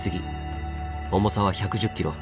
重さは１１０ｋｇ。